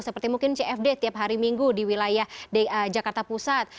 seperti mungkin cfd tiap hari minggu di wilayah jakarta pusat